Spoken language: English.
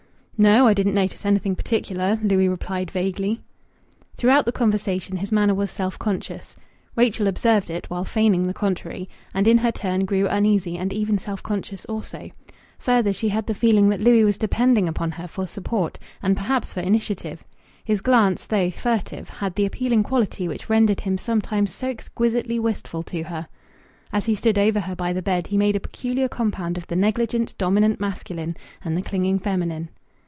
"No. I didn't notice anything particular," Louis replied vaguely. Throughout the conversation his manner was self conscious. Rachel observed it, while feigning the contrary, and in her turn grew uneasy and even self conscious also. Further, she had the feeling that Louis was depending upon her for support, and perhaps for initiative. His glance, though furtive, had the appealing quality which rendered him sometimes so exquisitely wistful to her. As he stood over her by the bed, he made a peculiar compound of the negligent, dominant masculine and the clinging feminine.